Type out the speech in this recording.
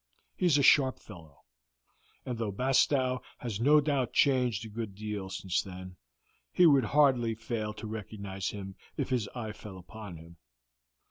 He is a sharp fellow, and though Bastow has no doubt changed a good deal since then, he would hardly fail to recognize him if his eye fell upon him.